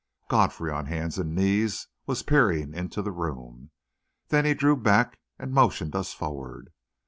Godfrey, on hands and knees, was peering into the room. Then he drew back and motioned us forward.